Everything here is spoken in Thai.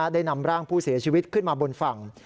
ได้นำร่างผู้เสียชีวิตขึ้นมาบนฝั่ง